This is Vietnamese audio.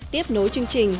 tiếp nối chương trình